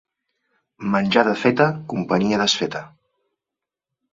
Menjada feta, companyia desfeta